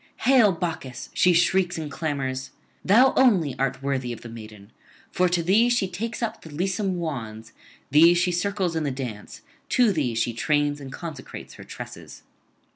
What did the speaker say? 'Hail, Bacchus!' she shrieks and clamours; 'thou only art worthy of the maiden; for to thee she takes up the lissom wands, thee she circles in the dance, to thee she trains and consecrates her tresses.'